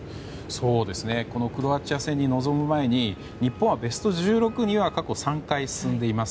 クロアチア戦に臨む前に日本は、ベスト１６には過去３回進んでいます。